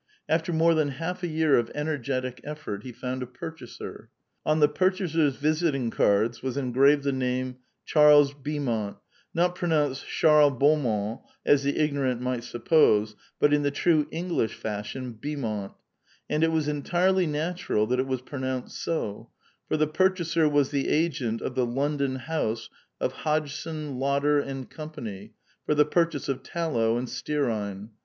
After more than half a 3'ear of energetic effort, he found a purchaser. On the purchaser's visiting cards was engraved the name Charles Beaumont, not pronounced Sharl Bomon^ as the ignorant might suppose, but in the trae Eng lish fashion, Beemont; and it was entirely natural that it was pronounced so, for the purchaser was the agent of the London house of Hodgson, Lotter and Company, for the pur chase of tallow and stearine.